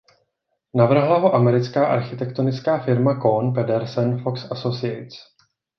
Navrhla ho americká architektonická firma Kohn Pedersen Fox Associates.